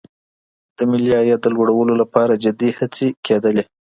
د ملي عاید د لوړولو لپاره جدي هڅي کیدلې.